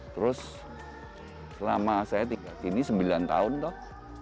terus selama saya tinggal di sini sembilan tahun kok